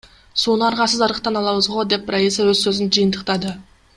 Сууну аргасыз арыктан алабыз го, — деп Раиса өз сөзүн жыйынтыктады.